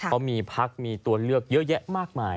เขามีพักมีตัวเลือกเยอะแยะมากมาย